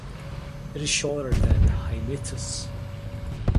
It is shorter than Hymettus.